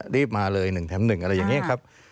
รีบมาเลย๑แถม๑อะไรอย่างนี้ครับ